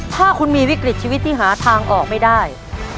ถ้าคุณมีวิกฤตชีวิตที่หาทางออกไม่ได้